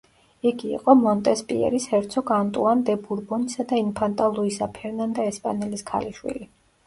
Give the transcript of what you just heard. იგი იყო მონტესპიერის ჰერცოგ ანტუან დე ბურბონისა და ინფანტა ლუისა ფერნანდა ესპანელის ქალიშვილი.